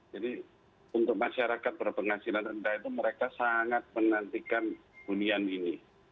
jadi untuk masyarakat berpenghasilan rendah itu mereka sangat menantikan bunyian ini